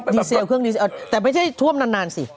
ดีเซลเครื่องดีเอิร์แต่ไม่ใช่ท่วมนานสิ